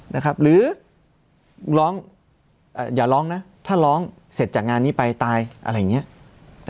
หรือร้องอย่าร้องนะถ้าร้องเสร็จจากงานนี้ไปตายอะไรอย่างเงี้ย